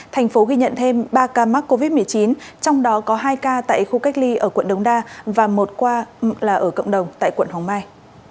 thành phố ghi nhận thêm ba ca mắc covid một mươi chín trong đó có hai ca tại khu cách ly ở quận đống đa và một ca là ở cộng đồng tại quận hoàng mai